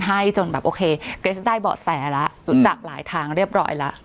ให้จนแบบโอเคได้เบาะแสละจากหลายทางเรียบร้อยแล้วครับ